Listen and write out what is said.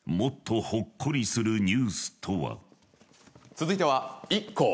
続いてはＩＫＫＯ